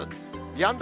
やんだ